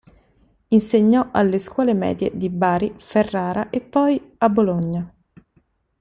Insegnò alle scuole medie di Bari, Ferrara e poi a Bologna.